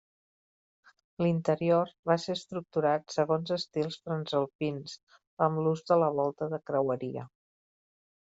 L'interior va ser estructurat segons estils transalpins, amb l'ús de la volta de creueria.